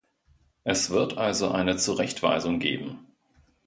Es wird also eine Zurechtweisung geben.